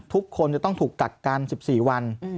ทุกคนจะต้องถูกกักกัน๑๔วัน